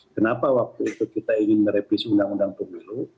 kenapa waktu itu kita ingin merevisi undang undang pemilu